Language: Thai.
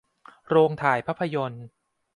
โรงถ่ายภาพยนตร์